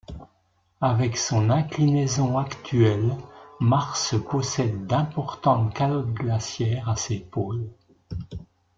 Avec son inclinaison actuelle, Mars possède d'importantes calottes glaciaires à ses pôles.